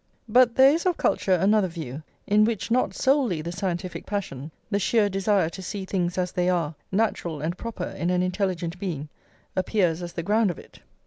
But there is of culture another view, in which not solely the scientific passion, the sheer desire to see things as they are, natural and proper in an intelligent being, appears as the ground of it.